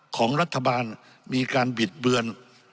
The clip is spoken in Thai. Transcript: ของรัฐบาลมีการบิดเบือน